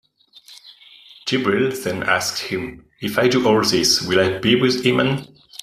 Jibril then asked him: If I do all this will I be with Iman?